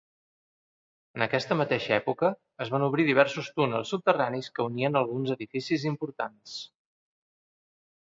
En aquesta mateixa època es van obrir diversos túnels subterranis que unien alguns edificis importants.